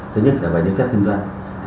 thứ nhất là về những phép kinh doanh